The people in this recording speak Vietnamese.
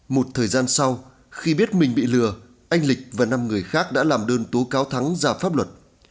một thời gian sau khi biết mình bị lừa anh lịch và năm người khác đã làm đơn tố cáo thắng ra pháp luật